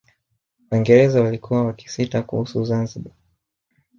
Waingereza walikuwa wakisita kuhusu Zanzibar